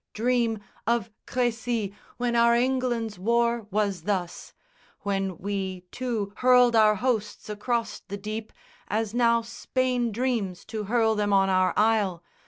dream, Of Crécy, when our England's war was thus; When we, too, hurled our hosts across the deep As now Spain dreams to hurl them on our isle.